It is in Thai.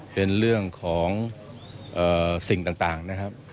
เป็นเรื่องของสิ่งต่างนะครับ